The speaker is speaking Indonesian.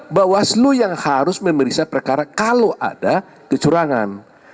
bawaslu yang harus memeriksa perkara kalau ada kecurangan